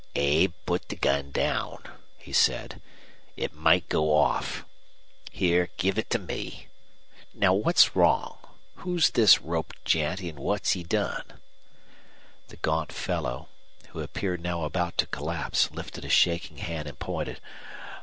"Abe, put the gun down," he said. "It might go off. Here, give it to me. Now, what's wrong? Who's this roped gent, an' what's he done?" The gaunt fellow, who appeared now about to collapse, lifted a shaking hand and pointed.